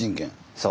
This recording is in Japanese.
そう。